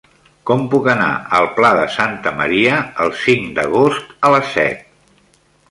Com puc anar al Pla de Santa Maria el cinc d'agost a les set?